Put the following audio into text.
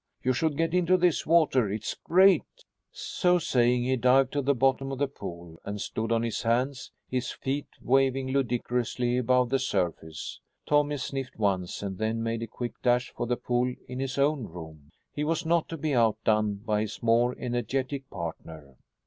You should get into this water. It's great!" So saying, he dived to the bottom of the pool and stood on his hands, his feet waving ludicrously above the surface. Tommy sniffed once and then made a quick dash for the pool in his own room. He was not to be outdone by his more energetic partner.